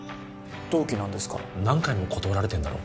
同期なんですから何回も断られてんだろ